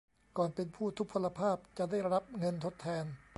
ก่อนเป็นผู้ทุพพลภาพ จะได้รับเงินทดแทน